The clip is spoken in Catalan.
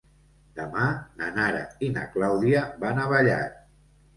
Demà na Nara i na Clàudia van a Vallat.